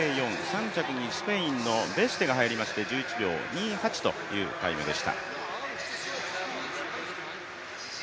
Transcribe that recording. ３着にスペインのベストゥエが入りまして１１秒２８というタイムでした。